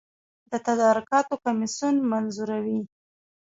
د تدارکاتو کمیسیون منظوروي